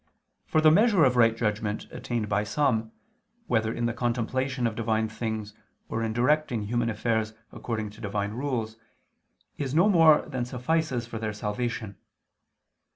For the measure of right judgment attained by some, whether in the contemplation of Divine things or in directing human affairs according to Divine rules, is no more than suffices for their salvation.